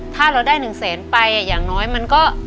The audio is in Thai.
ถ้าเราได้๑แสนไปอย่างน้อยมันก็